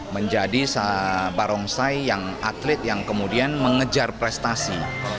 menjadi barongsai atlet yang kemudian mengejar prestasi